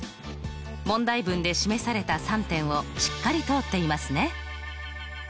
問題文で示された３点をしっかり通っていますね。